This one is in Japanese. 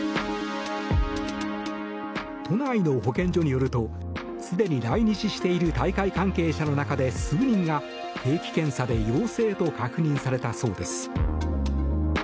都内の保健所によるとすでに来日している大会関係者の中で数人が定期検査で陽性と確認されたそうです。